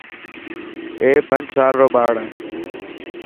اي پنج سال رو ٻاڙ هي.